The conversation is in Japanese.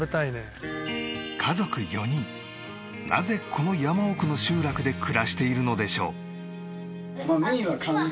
家族４人なぜこの山奥の集落で暮らしているのでしょう。